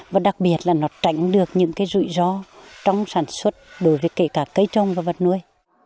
và đặc biệt là nó tránh được những cái rủi ro trong sản xuất đối với kể cả cây trông và vật nuôi